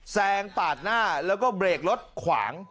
แซงปาดหน้าแล้วก็เบรกรถขวาง